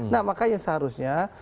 nah makanya seharusnya